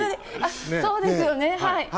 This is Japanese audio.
そうですよね。